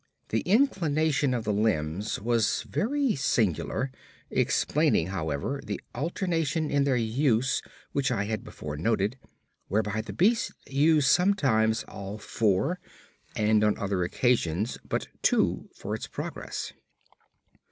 The inclination of the limbs was very singular, explaining, however, the alternation in their use which I had before noted, whereby the beast used sometimes all four, and on other occasions but two for its progress.